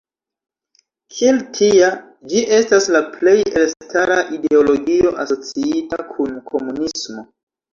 Kiel tia, ĝi estas la plej elstara ideologio asociita kun komunismo.